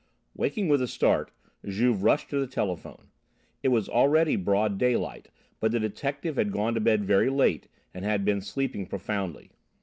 Waking with a start, Juve rushed to the telephone. It was already broad daylight, but the detective had gone to bed very late and had been sleeping profoundly.